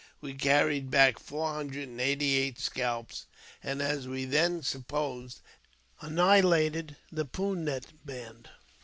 We carried back four hundred and eighty eight scalps, and, as we then supposed, annihilated the Pun nak band.